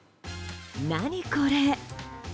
何これ？